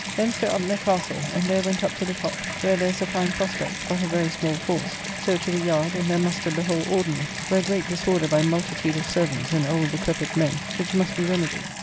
Thence to Upnor Castle, and there went up to the top, where there is a fine prospect, but of very small force; so to the yard, and there mustered the whole ordinary, where great disorder by multitude of servants and old decrepid men, which must be remedied.